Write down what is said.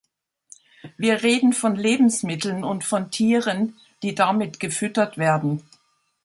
Wir reden von Lebensmitteln und von Tieren, die damit gefüttert werden.